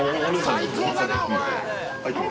最高だなお前！